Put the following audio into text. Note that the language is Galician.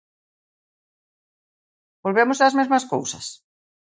¿Volvemos ás mesmas cousas?